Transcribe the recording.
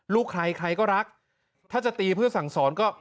ลูกใครใครก็รักถ้าจะตีเพื่อสั่งสอนก็